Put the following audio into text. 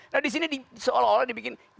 nah disini seolah olah dibikin jangan